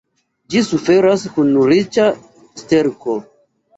Ĝi suferas kun riĉa sterko.